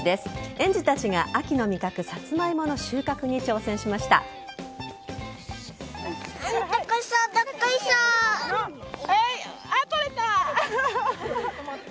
園児たちが秋の味覚サツマイモの収穫に挑戦しました。